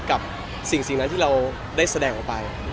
กับสิ่งนั้นที่เราได้แสดงออกไป